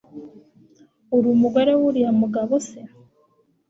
Urumugore wuriya mugabo se